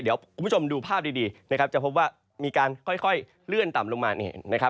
เดี๋ยวคุณผู้ชมดูภาพดีนะครับจะพบว่ามีการค่อยเลื่อนต่ำลงมานี่เห็นนะครับ